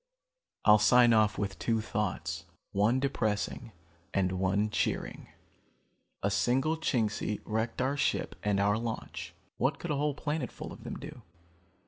"I'll sign off with two thoughts, one depressing and one cheering. A single Chingsi wrecked our ship and our launch. What could a whole planetful of them do?